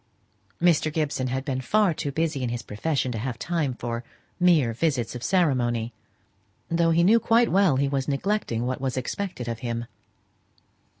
Mr. Gibson had been far too busy in his profession to have time for mere visits of ceremony, though he knew quite well he was neglecting what was expected of him.